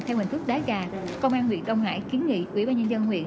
theo hình thức đá gà công an huyện đông hải kiến nghị quỹ ba nhân dân huyện